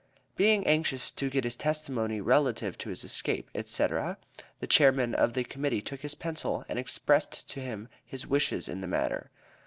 Being anxious to get his testimony relative to his escape, etc., the Chairman of the Committee took his pencil and expressed to him his wishes in the matter.